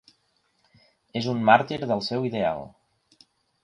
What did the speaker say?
És un màrtir del seu ideal.